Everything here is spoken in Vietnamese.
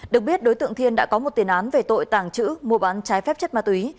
được biết đối tượng thiên đã có một tiền án về tội tàng trữ mua bán trái phép chất ma túy